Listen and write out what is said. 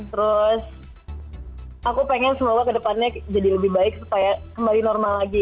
terus aku pengen semoga kedepannya jadi lebih baik supaya kembali normal lagi